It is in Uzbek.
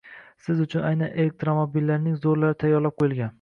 Siz uchun aynan elektromobillarning zo‘rlari tayyorlab qo‘yilgan